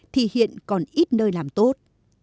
thì hiện còn ít nơi làm tốt